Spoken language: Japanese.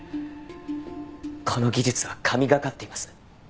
この技術は神懸かっています。